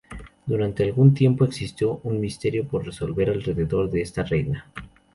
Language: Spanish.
Durante algún tiempo existió un misterio por resolver alrededor de esta reina.